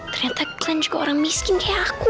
ternyata kalian juga orang miskin kayak aku